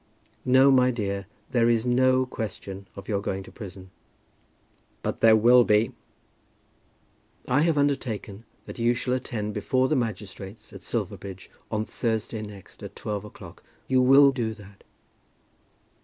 "No, my dear; there is no question of your going to prison." "But there will be." "I have undertaken that you shall attend before the magistrates at Silverbridge on Thursday next, at twelve o'clock. You will do that?"